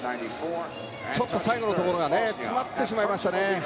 ちょっと最後のところが詰まってしまいましたね。